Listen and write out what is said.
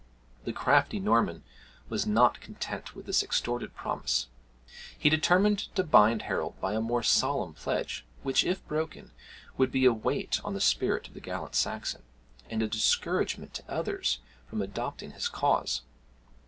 The crafty Norman was not content with this extorted promise; he determined to bind Harold by a more solemn pledge, which if broken, would be a weight on the spirit of the gallant Saxon, and a discouragement to others from adopting his cause.